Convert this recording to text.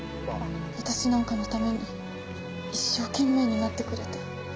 私なんかのために一生懸命になってくれて。